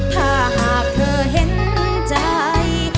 ถ้าหากเธอเห็นใจ